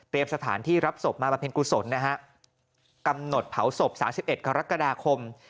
เตรียมสถานที่รับศพมาประเภนกุศลนะฮะกำหนดเผาศพ๓๑กรกฎาคม